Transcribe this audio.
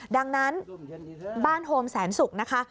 ดังนั้นบ้านโฮมแสนศุกร์นะคะ